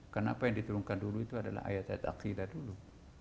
karena apa yang diturunkan dulu itu adalah ayat ayat akidah dulu